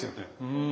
うん。